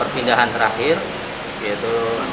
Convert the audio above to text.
pindahan terakhir yaitu